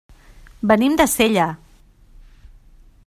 Venim de Sella.